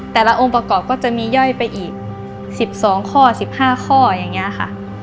องค์ประกอบก็จะมีย่อยไปอีก๑๒ข้อ๑๕ข้ออย่างนี้ค่ะ